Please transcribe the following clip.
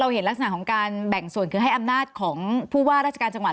เห็นลักษณะของการแบ่งส่วนคือให้อำนาจของผู้ว่าราชการจังหวัด